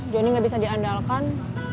johnny gak bisa diandalkan